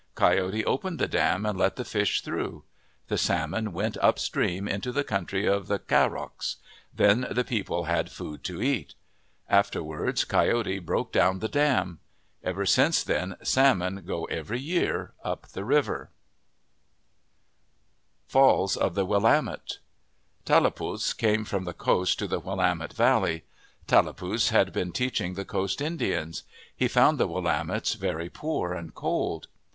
Coyote opened the dam and let the fish through. The salmon went upstream into the country of the Cahrocs. Then the people had food to eat. Afterwards Coyote broke down the dam. Ever since then salmon go every year up that river. 124 OF THE PACIFIC NORTHWEST FALLS OF THE WILLAMETTE TALLAPUS came from the coast to the Willamette Valley. Tallapus had been teaching the coast Indians. He found the Willamettes very poor and cold.